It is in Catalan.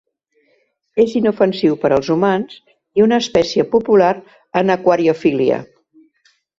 És inofensiu per als humans i una espècie popular en aquariofília.